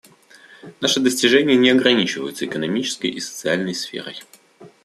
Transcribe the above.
Наши достижения не ограничиваются экономической и социальной сферой.